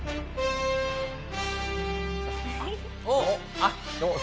あっ！